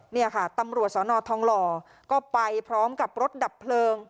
นี่ค่ะตำรวจสนทองหล่อก็ไปพร้อมกับรถดับเพลิง